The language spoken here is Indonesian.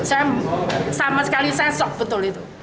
saya sama sekali saya sok betul itu